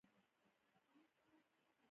دا د لیکوال علمي حیثیت لوړوي.